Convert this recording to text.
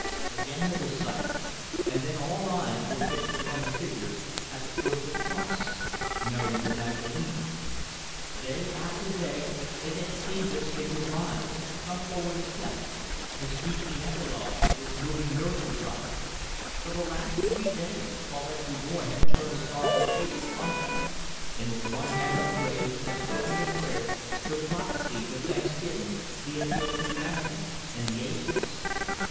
Again there was silence, and then all eyes were fixed upon the figure at the foot of the cross Mary the Magdalene. Day after day they had seen this figure rise, come forward a step, and speak the epilogue to this moving miracle drama. For the last three days Paulette Dubois had turned a sorrowful face upon them, and with one hand upraised had spoken the prayer, the prophecy, the thanksgiving, the appeal of humanity and the ages.